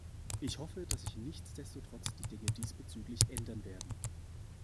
Ich hoffe, dass sich nichtsdestotrotz die Dinge diesbezüglich ändern werden.